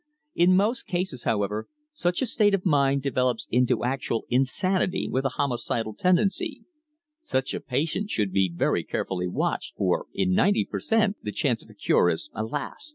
In most cases, however, such a state of mind develops into actual insanity with a homicidal tendency. Such a patient should be very carefully watched, for in ninety per cent. the chance of a cure is, alas!